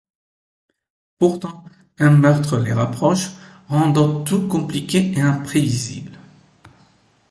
Pourtant, un meurtre les rapproche, rendant tout compliqué et imprévisible.